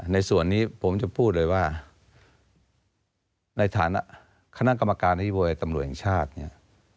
ในส่วนนี้ผมจะพูดเลยว่าในฐานะคณะกรรมการนโยบายตำรวจแห่งชาติเนี่ย